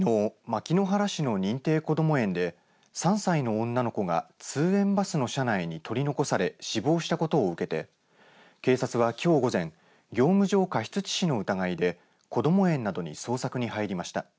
牧之原市の認定こども園で３歳の女の子が通園バスの車内に取り残され死亡したことを受けて警察は、きょう午前業務上過失致死の疑いでこども園などに捜索へ入りました。